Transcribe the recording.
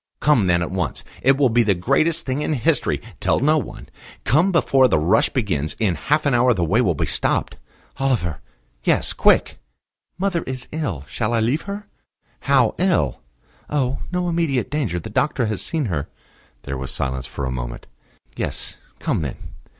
"Come then at once. It will be the greatest thing in history. Tell no one. Come before the rush begins. In half an hour the way will be stopped." "Oliver." "Yes? Quick." "Mother is ill. Shall I leave her?" "How ill?" "Oh, no immediate danger. The doctor has seen her." There was silence for a moment. "Yes; come then.